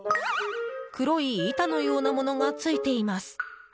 黒い板のようなものがついています。